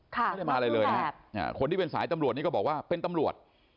ไม่ได้มาอะไรเลยนะฮะคนที่เป็นสายตำรวจนี่ก็บอกว่าเป็นตำรวจ